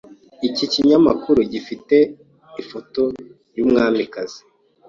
Iki kinyamakuru gifite ifoto yumwamikazi.